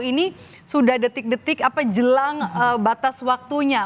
ini sudah detik detik apa jelang batas waktunya